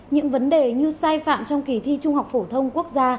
những vấn đề như sai phạm trong kỳ thi trung học phổ thông quốc gia